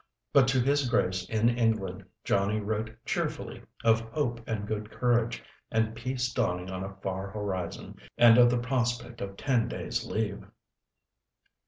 But to his Grace in England Johnnie wrote cheerily, of hope and good courage, and peace dawning on a far horizon, and of the prospect of ten days' leave.